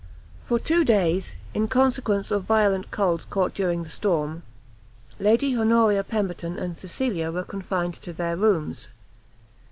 For two days, in consequence of violent colds caught during the storm, Lady Honoria Pemberton and Cecilia were confined to their rooms.